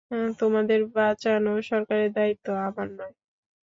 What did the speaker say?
তোমাদের বাঁচানো সরকারের দায়িত্ব, আমার নয়।